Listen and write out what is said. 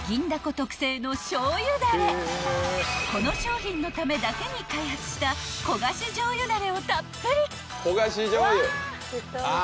［この商品のためだけに開発した焦がし醤油だれをたっぷり］